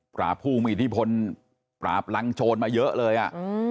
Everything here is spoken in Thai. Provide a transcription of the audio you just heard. ผู้มีอิทธิพลปราบรังโจรมาเยอะเลย